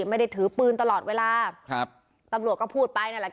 ไม่ได้ถือปืนตลอดเวลาครับตำรวจก็พูดไปนั่นแหละ